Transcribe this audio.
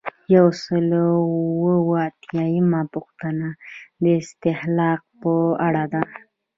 یو سل او اووه اتیایمه پوښتنه د استهلاک په اړه ده.